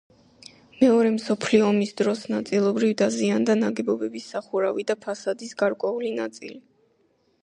მეორე მსოფლიო ომის დროს ნაწილობრივ დაზიანდა ნაგებობის სახურავი და ფასადის გარკვეული ნაწილი.